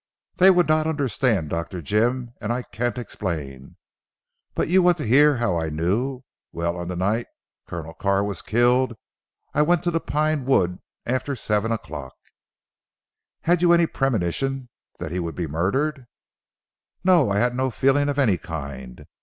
"They would not understand Dr. Jim, and I can't explain. But you want to hear how I knew. Well on the night Colonel Carr was killed I went to the Pine wood after seven o'clock." "Had you any premonition that he would be murdered?" "No. I had no feeling of any kind.